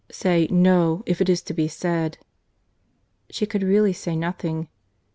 Say 'No,' if it is to be said."—She could really say nothing.